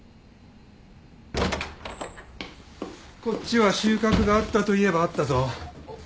こっちは収穫があったといえばあったぞ。